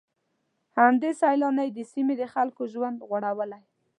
همدې سيلانۍ د سيمې د خلکو ژوند غوړولی.